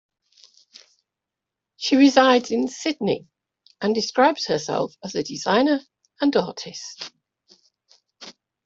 She resides in Sydney and describes herself as a designer and artist.